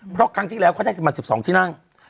เพราะครั้งที่แล้วเขาได้ประมาณ๑๒ที่นั่ง